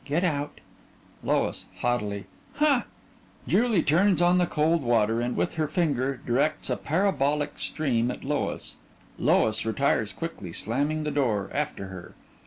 Get out! LOIS: (Haughtily) Huh! (JULIE turns on the cold water and with her finger directs a parabolic stream at LOIS. LOIS _retires quickly, slamming the door after her.